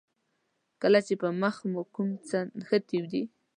کله چې په مخ مو کوم څه نښتي دي.